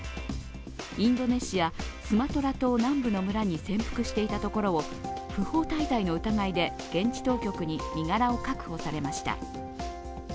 インドネシア・スマトラ島南部の村に潜伏していたところを不法滞在の疑いで現地当局に身柄を確保されました。